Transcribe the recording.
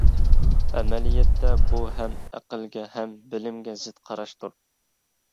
ئەمەلىيەتتە بۇ ھەم ئەقىلگە ھەم بىلىمگە زىت قاراشتۇر.